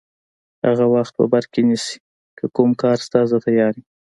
هغه وخت په بر کې نیسي، که کوم کار شته زه تیار یم.